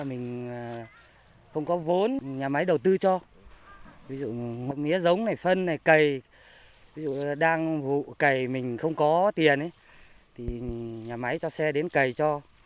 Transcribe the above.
mình không có vốn nhà máy đầu tư cho ví dụ mía giống này phân này cây ví dụ đang vụ cầy mình không có tiền thì nhà máy cho xe đến cày cho